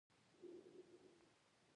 مور جانې تاسو ووايئ چې څه خبره ده.